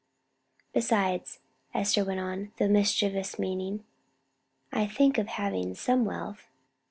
Besides," Esther went on, with a mischievous meaning, "I think of having some wealth."